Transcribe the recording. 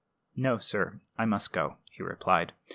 "No, sir; I must go," he replied.